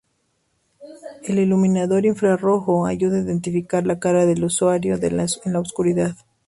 El iluminador infrarrojo ayuda a identificar la cara del usuario en la oscuridad.